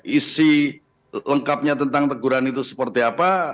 isi lengkapnya tentang teguran itu seperti apa